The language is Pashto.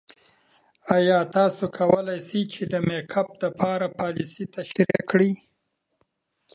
ایا تاسو کولی شئ د میک اپ کار لپاره پالیسۍ تشریح کړئ؟